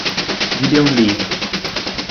Gideon Lee